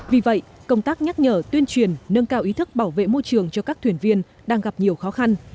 vì vậy công tác nhắc nhở tuyên truyền nâng cao ý thức bảo vệ môi trường cho các thuyền viên đang gặp nhiều khó khăn